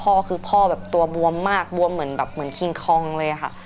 เพราะคือพ่อตัวบวมมากบวมเหมือนคียงคอล์งเลย